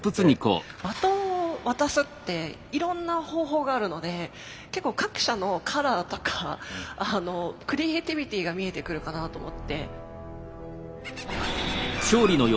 バトンを渡すっていろんな方法があるので結構各社のカラーとかクリエーティビティーが見えてくるかなと思って。